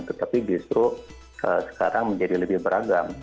tetapi justru sekarang menjadi lebih beragam